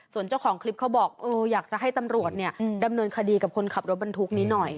ส่วนเจ้าของคลิปเขาบอกอยากจะให้ตำรวจเนี่ยดำเนินคดีกับคนขับรถบรรทุกนี้หน่อย